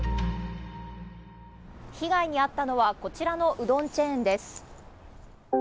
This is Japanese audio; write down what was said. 被害に遭ったのは、こちらのうどんチェーンです。